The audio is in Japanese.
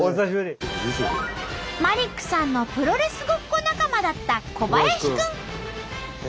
マリックさんのプロレスごっこ仲間だったコバヤシくん。